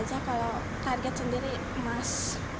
kalau target sendiri emas